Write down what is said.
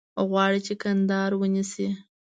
غواړي چې کندهار ونیسي.